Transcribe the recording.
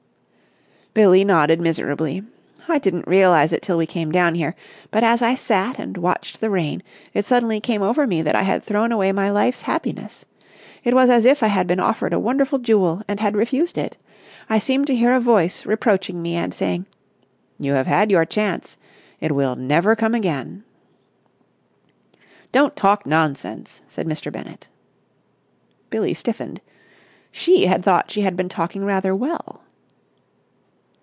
Billie nodded miserably. "I didn't realise it till we came down here. But, as I sat and watched the rain, it suddenly came over me that I had thrown away my life's happiness. It was as if I had been offered a wonderful jewel and had refused it. I seemed to hear a voice reproaching me and saying, 'You have had your chance. It will never come again!'" "Don't talk nonsense!" said Mr. Bennett. Billie stiffened. She had thought she had been talking rather well.